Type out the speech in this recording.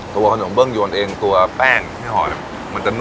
ตัวขนมเบื้องยวนเองตัวแป้งให้หอมมันจะนุ่มนะ